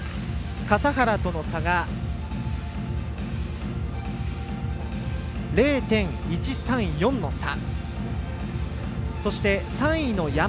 笠原との差が０．１３４の差。